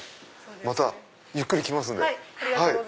またゆっくり来ますんで。